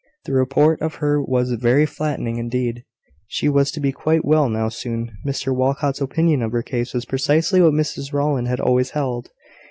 The report of her was very flattering indeed. She was to be quite well now soon. Mr Walcot's opinion of her case was precisely what Mrs Rowland had always held.